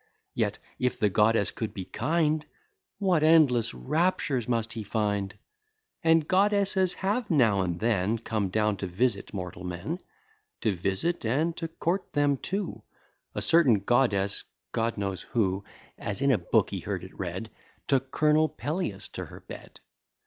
Yet, if the goddess could be kind, What endless raptures must he find! And goddesses have now and then Come down to visit mortal men; To visit and to court them too: A certain goddess, God knows who, (As in a book he heard it read,) Took Col'nel Peleus to her bed.